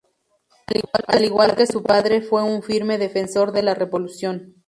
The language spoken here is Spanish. Al igual que su padre, fue un firme defensor de la Revolución.